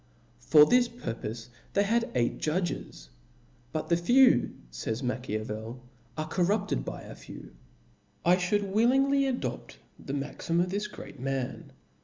For this pur ^^^]^' pofe they had eight judges : but tbejewy fays Ma chap, 7. chiavcl, are corrupted by a few. I ftiould willingly adopt the maxim of this great man.